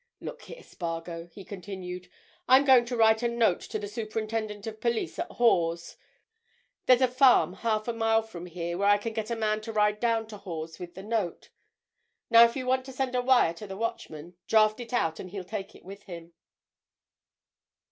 "Look here, Spargo," he continued. "I'm going to write a note to the superintendent of police at Hawes—there's a farm half a mile from here where I can get a man to ride down to Hawes with the note. Now, if you want to send a wire to the Watchman, draft it out, and he'll take it with him."